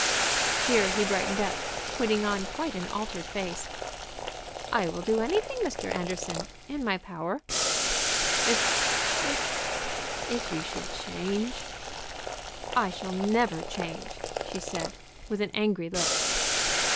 Here he brightened up, putting on quite an altered face. "I will do anything, Mr. Anderson in my power." "If if if you should change " "I shall never change!" she said, with an angry look.